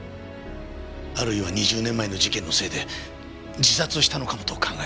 あるいは２０年前の事件のせいで自殺したのかもと考える。